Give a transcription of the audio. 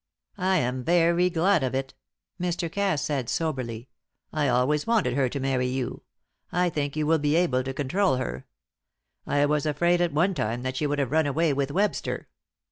"I am very glad of it," Mr. Cass said, soberly. "I always wanted her to marry you; I think you will be able to control her. I was afraid at one time that she would have run away with Webster."